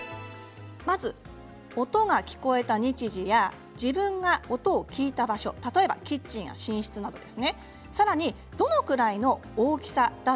音が聞こえた日時や自分が音を聞いた場所例えばキッチンや寝室などです。